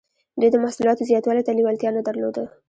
دوی د محصولاتو زیاتوالي ته لیوالتیا نه درلوده.